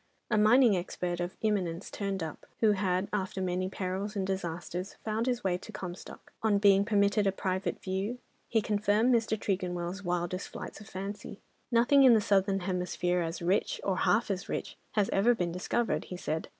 A mining expert of eminence turned up, who had, after many perils and disasters, found his way to Comstock. On being permitted a "private view," he confirmed Mr. Tregonwell's wildest flights of fancy. "Nothing in the Southern Hemisphere as rich, or half as rich, has ever been discovered," he said.